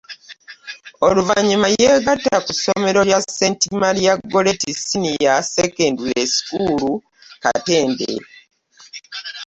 Oluvannyuma yeegatta ku ssomero lya Saint Maria Gorreti Senior Secondary School, Katende.